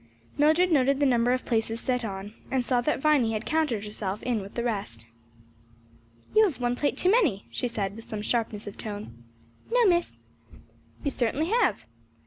Mildred noted the number of plates set on, and saw that Viny had counted herself in with the rest. "You have one plate too many," she said with some sharpness of tone. "No, Miss." "You certainly have.